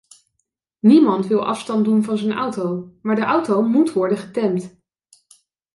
Niemand wil afstand doen van zijn auto, maar de auto moet worden getemd.